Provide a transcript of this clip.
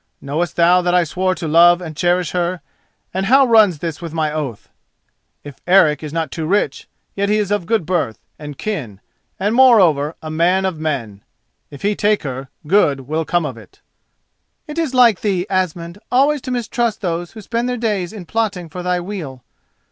Knowest thou that I swore to love and cherish her, and how runs this with my oath? If Eric is not too rich, yet he is of good birth and kin, and, moreover, a man of men. If he take her good will come of it." "It is like thee, Asmund, always to mistrust those who spend their days in plotting for thy weal.